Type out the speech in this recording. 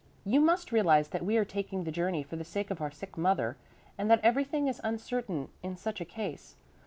You must realize that we are taking the journey for the sake of our sick mother, and that everything is uncertain in such a case.